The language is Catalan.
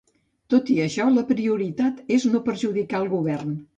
Tot i això, la prioritat és no perjudicar el Govern.